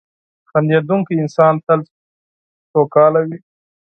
• خندېدونکی انسان تل سوکاله وي.